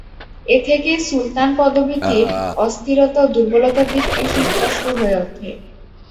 এ থেকেই সুলতান পদবীটির অস্থিরতা ও দুর্বলতার দিকটি সুস্পষ্ট হয়ে ওঠে।